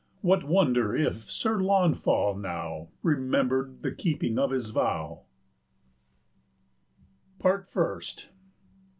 What wonder if Sir Launfal now Remembered the keeping of his vow? 95 PART FIRST.